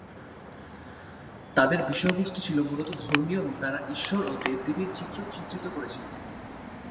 তাদের বিষয়বস্তু ছিল মূলত ধর্মীয় এবং তারা ঈশ্বর ও দেবদেবীর চিত্র চিত্রিত করেছিল।